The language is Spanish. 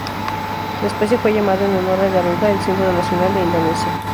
La especie fue llamada en honor al garuda, el símbolo nacional de Indonesia.